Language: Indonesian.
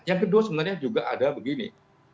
yang kedua sebenarnya juga ada begini